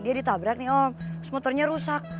dia ditabrak nih om terus motornya rusak